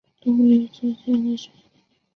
都会有休息跟坐下来的点